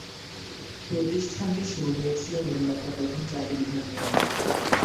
প্রতিষ্ঠানটি শুরু হয়েছিল নিম্নোক্ত প্রথম চারটি বিভাগ নিয়ে।